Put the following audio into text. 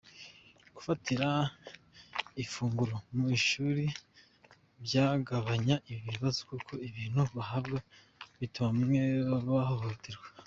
Gufatira ifunguro ku ishuri byagabanya ibi bibazo kuko ibintu bahabwa bituma bamwe bahohoterwa.